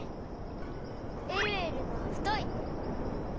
えるえるのはふとい。